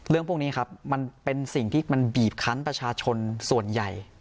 เรื่องพวกนี้ครับมันเป็นสิ่งที่มันบีบคันประชาชนส่วนใหญ่